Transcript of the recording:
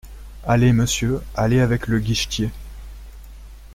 Allez, monsieur, allez avec le guichetier.